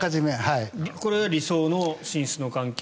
これが理想の寝室の環境。